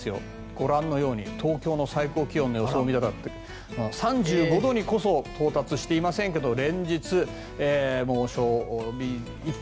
ご覧のように東京の最高気温の予想３５度にこそ到達していませんが連日猛暑日一歩